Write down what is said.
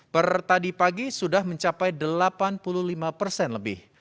pertadi pagi sudah mencapai delapan puluh lima persen lebih